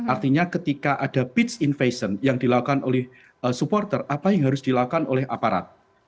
artinya ketika ada peach invation yang dilakukan oleh supporter apa yang harus dilakukan oleh aparat